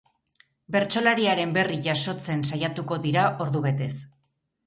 Bertsolariaren berri jasotzen saiatuko dira ordubetez.